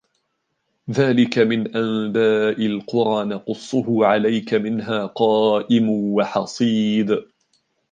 ذلك من أنباء القرى نقصه عليك منها قائم وحصيد